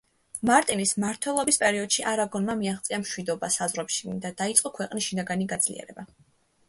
მარტინის მმართველობის პერიოდში არაგონმა მიაღწია მშვიდობას საზღვრებს შიგნით და დაიწყო ქვეყნის შინაგანი გაძლიერება.